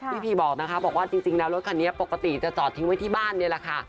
พี่พีบอกนะคะบอกว่าจริงแล้วรถคันนี้ปกติจะจอดทิ้งไว้ที่บ้านนี่แหละค่ะ